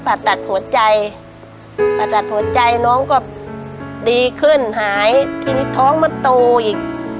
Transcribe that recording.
ผ่าตัดหัวใจผ่าตัดหัวใจน้องก็ดีขึ้นหายทีนี้ท้องมาโตอีก